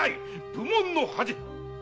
武門の恥！